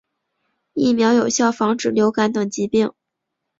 疫苗有效防止流感等疾病。